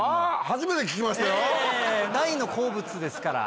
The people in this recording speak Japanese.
初めて聞きましたよ！ですから。